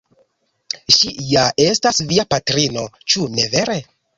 Ŝi ja estas via patrino, ĉu ne vere?